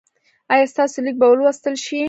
ایا ستاسو لیک به ولوستل شي؟